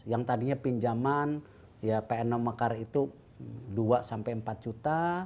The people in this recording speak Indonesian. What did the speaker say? yang tadinya pinjaman ya pnm mekar itu dua sampai empat juta